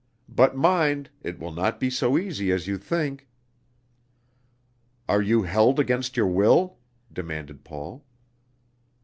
But, mind, it will not be so easy as you think." "Are you held against your will?" demanded Paul.